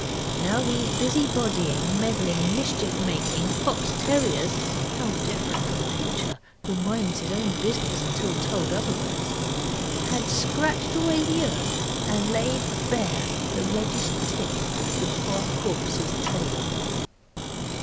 Now these busy bodying, meddling, mischief making fox terriers (how different from Pincher, who minds his own business unless told otherwise) had scratched away the earth and laid bare the reddish tip of the poor corpse's tail.